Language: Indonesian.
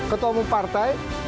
ketua umum partai